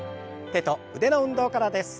手と腕の運動からです。